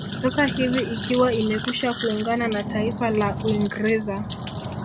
Sasa hivi ikiwa imekwisha kuungana na taifa la Uingerza